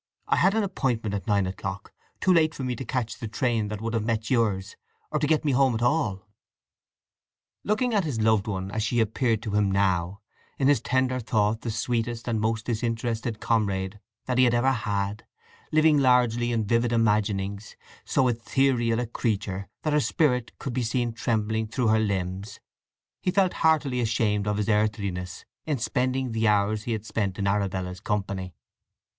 I had an appointment at nine o'clock—too late for me to catch the train that would have met yours, or to get home at all." Looking at his loved one as she appeared to him now, in his tender thought the sweetest and most disinterested comrade that he had ever had, living largely in vivid imaginings, so ethereal a creature that her spirit could be seen trembling through her limbs, he felt heartily ashamed of his earthliness in spending the hours he had spent in Arabella's company.